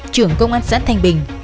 trưởng công an xã thanh bình